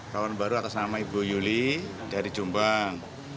kawan baru atas nama ibu yuli dari jombang